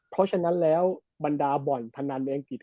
เพราะฉะนั้นแล้วบรรดาบ่อนพนันในอังกฤษ